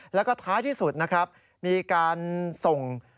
แล้วก็ท้ายที่สุดนะครับมีการส่ง